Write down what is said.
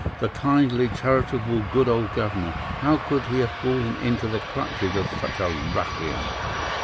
The kindly, charitable, good old governor—how could he have fallen into the clutches of such a ruffian!